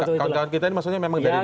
kawan kawan kita ini maksudnya memang dari